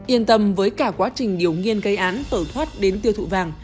yên tâm với cả quá trình điều nghiên gây án tẩu thoát đến tiêu thụ vàng